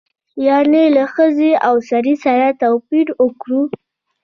یعنې له ښځې او سړي سره توپیر وکړو.